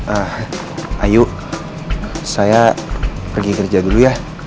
ah ayo saya pergi kerja dulu ya